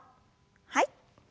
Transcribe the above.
はい。